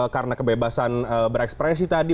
karena kebebasan berekspresi tadi